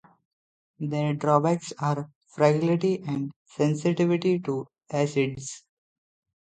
Their drawbacks are fragility and sensitivity to acids.